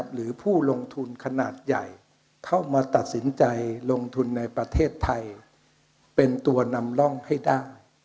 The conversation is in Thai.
หรือผู้ลงทุนขนาดใหญ่เข้ามาตัดสินใจลงทุนในประเทศไทยเป็นตัวนำร่องให้ได้